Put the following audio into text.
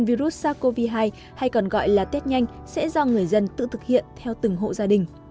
tuy nhiên virus sars cov hai hay còn gọi là tết nhanh sẽ do người dân tự thực hiện theo từng hộ gia đình